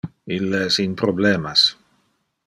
Ille es in problemas.